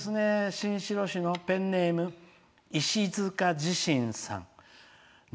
新城市のペンネームいしづかじしんさん。